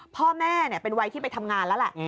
พ่อแม่เป็นวัยที่ไปทำงานแล้วแหละ